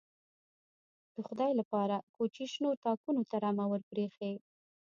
_د خدای له پاره، کوچي شنو تاکونو ته رمه ور پرې اېښې.